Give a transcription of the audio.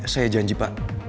saya janji pak